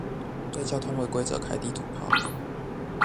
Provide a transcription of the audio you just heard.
對交通違規者開地圖炮